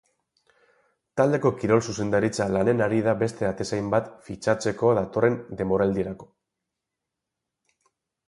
Taldeko kirol-zuzendaritza lanean ari da beste atezain bat fitxatzeko datorren denboraldirako.